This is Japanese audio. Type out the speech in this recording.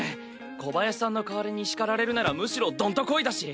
小林さんの代わりに叱られるならむしろドンとこいだし。